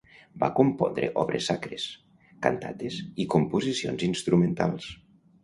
Va compondre obres sacres, cantates i composicions instrumentals.